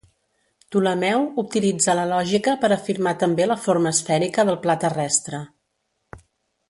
Ptolemeu utilitza la lògica per afirmar també la forma esfèrica del pla terrestre.